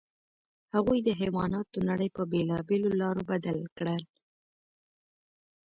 هغوی د حیواناتو نړۍ په بېلابېلو لارو بدل کړه.